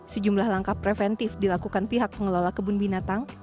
sejumlah langkah preventif dilakukan pihak pengelola kebun binatang